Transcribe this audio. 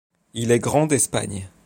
Il est grand d’Espagne.